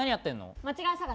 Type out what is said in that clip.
間違い探し。